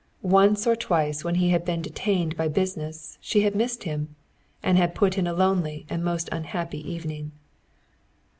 Once or twice when he had been detained by business she had missed him, had put in a lonely and most unhappy evening.